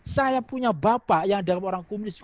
saya punya bapak yang dalam orang komunis